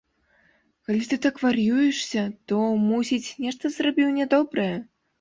Калі ты так вар'юешся, то, мусіць, нешта зрабіў нядобрае.